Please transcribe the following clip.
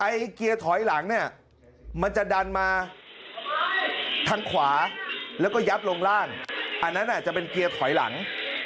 ไอ้เกียร์ถอยหลังนี่มันจะดันมาทางขวาแล้วก็ยับลงล่าง